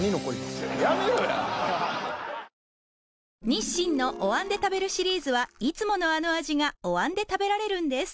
日清のお椀で食べるシリーズはいつものあの味がお椀で食べられるんです